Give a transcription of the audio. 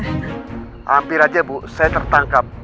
hampir aja bu saya tertangkap